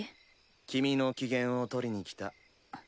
君の機嫌を取りに来た。